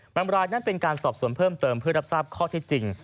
รายนั้นเป็นการสอบสวนเพิ่มเติมเพื่อรับทราบข้อที่จริง